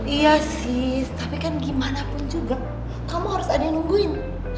iya sih tapi kan gimana pun juga kamu harus ada yang nungguin